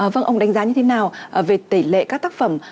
vâng ông đánh giá như thế nào về tỷ lệ các tác phẩm